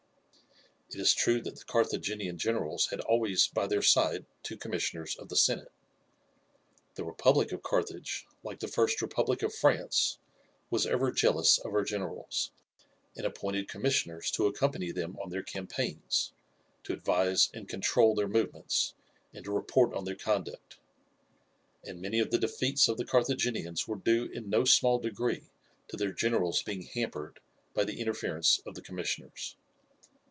It is true that the Carthaginian generals had always by their side two commissioners of the senate. The republic of Carthage, like the first republic of France, was ever jealous of her generals, and appointed commissioners to accompany them on their campaigns, to advise and control their movements and to report on their conduct; and many of the defeats of the Carthaginians were due in no small degree to their generals being hampered by the interference of the commissioners.